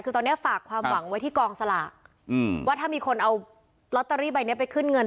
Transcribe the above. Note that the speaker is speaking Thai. คือตอนนี้ฝากความหวังไว้ที่กองสลากอืมว่าถ้ามีคนเอาลอตเตอรี่ใบเนี้ยไปขึ้นเงิน